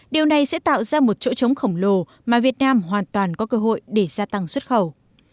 điều này sẽ tạo ra một chỗ chống khổng lồ mà việt nam hoàn toàn có cơ hội để gia tăng xuất khẩu